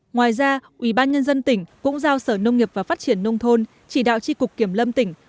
ngoài ra ủy ban nhân dân tỉnh cũng giao sở nông nghiệp và phát triển nông thôn chỉ đạo tri cục kiểm lâm tỉnh